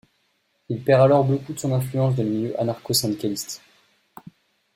Il perd alors beaucoup de son influence dans les milieux anarcho-syndicalistes.